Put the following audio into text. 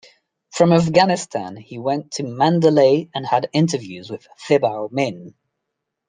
From Afghanistan, he went to Mandalay and had interviews with Thibaw Min.